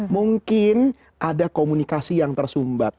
mungkin ada komunikasi yang tersumbat